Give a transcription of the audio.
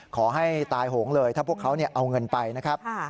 ขอให้ตายโหงเลยถ้าพวกเขาเอาเงินไปนะครับ